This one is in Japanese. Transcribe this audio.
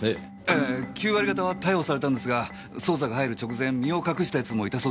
ええ９割方は逮捕されたんですが捜査が入る直前身を隠した奴もいたそうです。